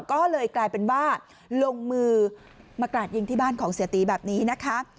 ก็เลยกลายเป็นว่าลงมือมากราดยิงที่บ้านของเสียตีแบบนี้นะคะ